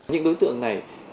những đối tượng này